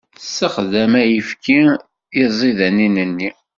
Tessexdam ayefki i tẓidanin-nni.